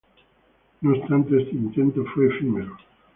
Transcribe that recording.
No obstante, este intento fue efímero.